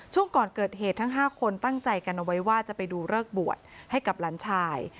ช่วงก่อนเกิดเหตุทั้ง๕คนตั้งใจกันเอาไว้ว่าจะไปดูเลิกบวชให้กับหลานชาย